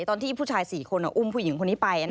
ตอนที่ผู้ชาย๔คนอุ้มผู้หญิงคนนี้ไป